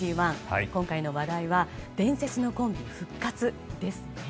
今回の話題は伝説のコンビ復活ですね。